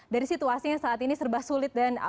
dari situasinya saat ini serba sulit